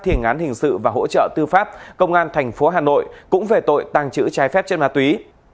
thiền án hình sự và hỗ trợ tư pháp công an thành phố hà nội cũng về tội tàng trữ trái phép chất ma túy